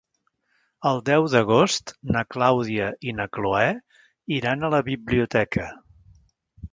El deu d'agost na Clàudia i na Cloè iran a la biblioteca.